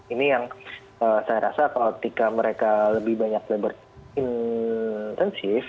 ini yang saya rasa kalau ketika mereka lebih banyak labor intensif